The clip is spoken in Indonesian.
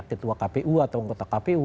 ketua kpu atau anggota kpu